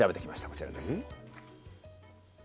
こちらです。